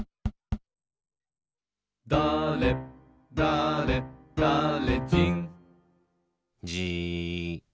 「だれだれだれじん」じーっ。